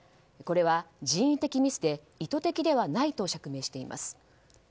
これは人為的ミスで意図的ではないと釈明しています。